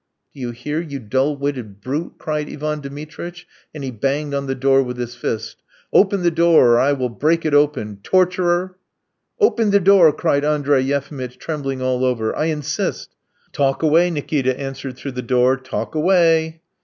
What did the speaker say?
"Do you hear, you dull witted brute?" cried Ivan Dmitritch, and he banged on the door with his fist. "Open the door, or I will break it open! Torturer!" "Open the door," cried Andrey Yefimitch, trembling all over; "I insist!" "Talk away!" Nikita answered through the door, "talk away.